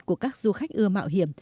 của việt nam